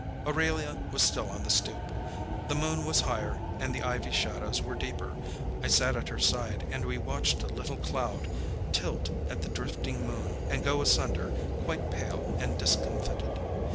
Aurelia was still on the stoop. The moon was higher and the ivy shadows were deeper. I sat at her side and we watched a little cloud tilt at the drifting moon and go asunder quite pale and discomfited.